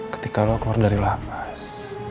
ketika lo keluar dari lapas